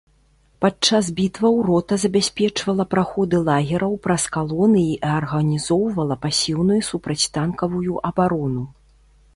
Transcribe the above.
Падчас бітваў рота забяспечвала праходы лагераў праз калоны і арганізоўвала пасіўную супрацьтанкавую абарону.